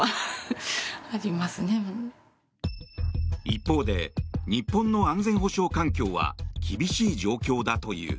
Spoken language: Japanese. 一方で日本の安全保障環境は厳しい状況だという。